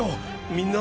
みんな。